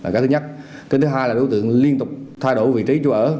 cái thứ hai là đối tượng liên tục thay đổi vị trí chủ ở